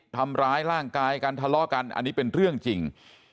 ทำร้ายร่างกายกันทะเลาะกันอันนี้เป็นเรื่องจริง